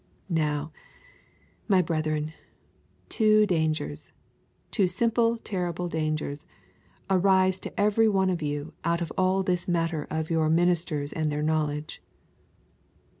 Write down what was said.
Now, my brethren, two dangers, two simply terrible dangers, arise to every one of you out of all this matter of your ministers and their knowledge.